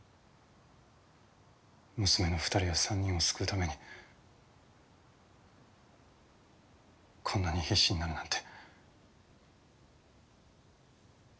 娘の２人や３人を救うためにこんなに必死になるなんて。